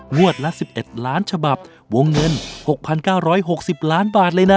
ละ๑๑ล้านฉบับวงเงิน๖๙๖๐ล้านบาทเลยนะ